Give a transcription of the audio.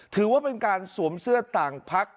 ถือว่าเป็นการสวมเสื้อต่างพัก